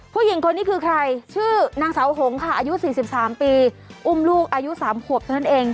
ผู้หญิงคนนี้คือใครชื่อนางสาวหงค่ะอายุ๔๓ปีอุ้มลูกอายุ๓ขวบเท่านั้นเอง